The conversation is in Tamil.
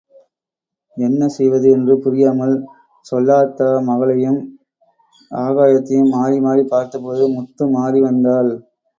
என்ன செய்வது என்று புரியாமல் செல்லாத்தா மகளையும், ஆகாயத்தையும் மாறி மாறிப் பார்த்தபோது முத்துமாறி வந்தாள்.